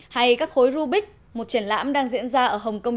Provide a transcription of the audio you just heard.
hay các khối rubik một triển lãm đang diễn ra ở hồng kông